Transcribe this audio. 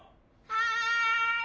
はい！